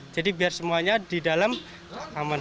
jadi biar semuanya di dalam aman